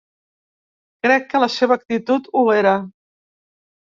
Crec que la seva actitud ho era.